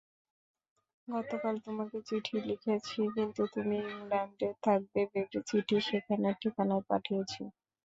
গতকাল তোমাকে চিঠি লিখেছি, কিন্তু তুমি ইংল্যাণ্ডে থাকবে ভেবে চিঠি সেখানের ঠিকানায় পাঠিয়েছি।